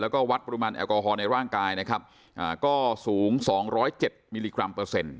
แล้วก็วัดปรุงบ่รรณแอลกอฮอลในร่างกายนะครับก็สูงสองร้อยเจ็ดมิลลิกรัมเปอร์เซ็นต์